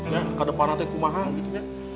ya ke depan teh kumaha gitu ya